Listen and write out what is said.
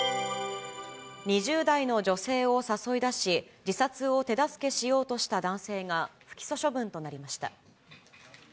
２０代の女性を誘い出し、自殺を手助けしようとした男性が不起訴処分となりました。